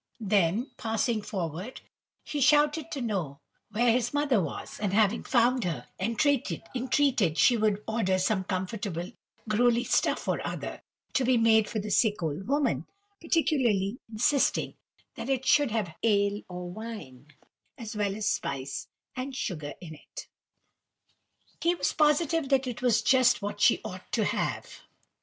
Then, passing forward, he shouted to know where his mother was, and, having found her, entreated she would order some comfortable, gruelly stuff or other, to be made for the sick old woman, particularly insisting that it should have ale or wine, as well as spice and sugar in it. He was positive that that was just what she ought to have!